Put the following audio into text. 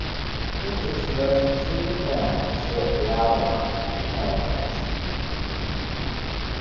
Water is diverted through the canal to Fort Loudoun for power production.